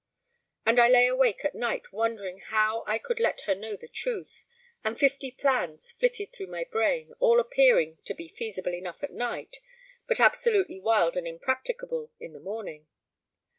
And I lay awake at night wondering how I could let her know the truth, and fifty plans flitted through my brain, all appearing to be feasible enough at night, but absolutely wild and impracticable in the morning.